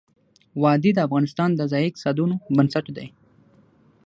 وادي د افغانستان د ځایي اقتصادونو بنسټ دی.